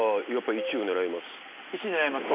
１位狙いますか？